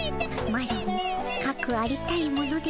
マロもかくありたいものでおじゃる。